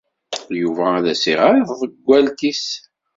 Yuba ad as-iɣer i tḍewwalt-nnes.